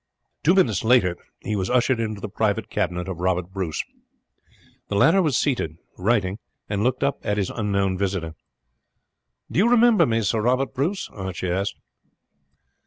Two minutes later he was ushered into the private cabinet of Robert Bruce. The latter was seated writing, and looked up at his unknown visitor. "Do you remember me, Sir Robert Bruce?" Archie asked.